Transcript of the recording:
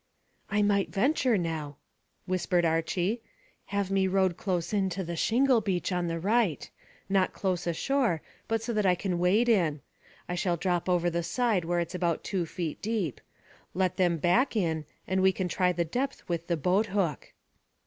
"I might venture now," whispered Archy. "Have me rowed close in to the shingle beach on the right, not close ashore, but so that I can wade in. I shall drop over the side where it's about two feet deep. Let them back in and we can try the depth with the boat hook."